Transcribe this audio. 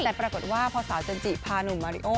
แต่ปรากฏว่าพอสาวจันจิพาหนุ่มมาริโอ